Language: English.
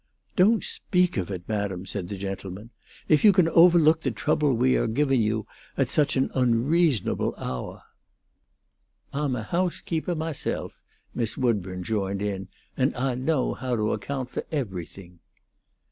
"Don't speak of it, madam," said the gentleman, "if you can overlook the trouble we awe giving you at such an unseasonable houah." "Ah'm a hoasekeepah mahself," Miss Woodburn joined in, "and Ah know ho' to accyoant fo' everything."